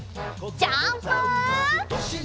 ジャンプ！